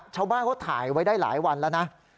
ชาวบ้านเขาถ่ายไว้ได้หลายวันแล้วนะ